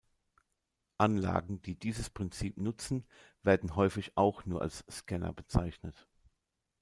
Anlagen, die dieses Prinzip nutzen, werden häufig auch nur als Scanner bezeichnet.